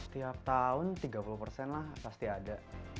setiap tahun tiga puluh persen lah pasti ada